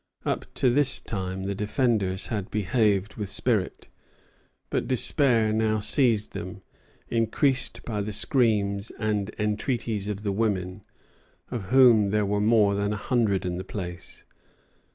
Up to this time the defenders had behaved with spirit; but despair now seized them, increased by the screams and entreaties of the women, of whom there were more than a hundred in the place.